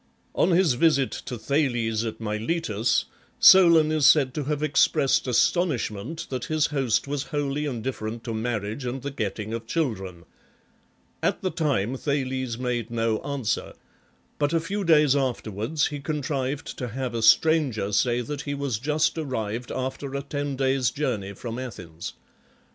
VI. On his visit to Thales at Miletus, Solon is said to have expressed astonishment that his host was wholly indifferent to marriage and the getting of children. At the time Thales made no answer, but a few days afterwards he contrived to have a stranger say that he was just arrived after a ten days' journey from Athens.